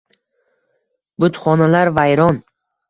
Butxonalar vayron